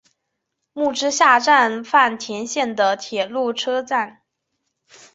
木之下站饭田线的铁路车站。